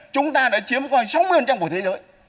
chúng ta đã chiếm khoảng sáu mươi của thế giới